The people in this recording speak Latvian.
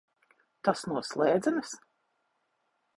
Tas no slēdzenes?